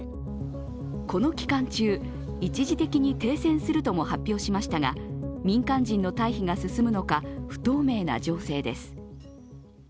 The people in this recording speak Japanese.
この期間中、一時的に停戦するとも発表しましたが民間人の退避が進むのか、不透明な情勢です。